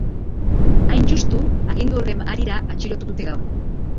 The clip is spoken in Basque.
Hain justu, agindu horren harira atxilotu dute gaur.